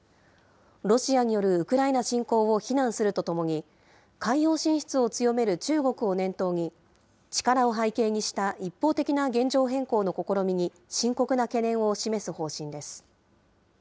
ロシアによるウクライナ侵攻を非難するとともに、海洋進出を強める中国を念頭に、力を背景にした一方的な現状変更の試みに深刻な懸念を示す方針です。